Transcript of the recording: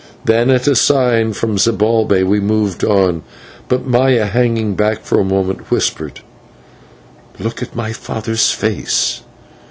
Then at a sign from Zibalbay we moved on, but Maya, hanging back for a moment, whispered: "Look at my father's face.